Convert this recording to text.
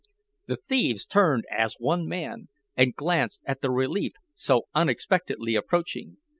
The thieves turned as one man, and glanced at the relief so unexpectedly approaching.